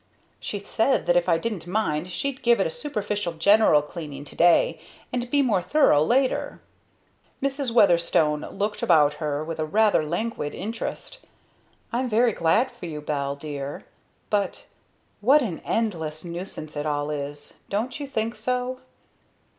"She said that if I didn't mind she'd give it a superficial general cleaning today and be more thorough later!" Mrs. Weatherstone looked about her with a rather languid interest. "I'm very glad for you, Belle, dear but what an endless nuisance it all is don't you think so?"